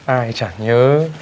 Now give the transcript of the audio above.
ai chẳng nhớ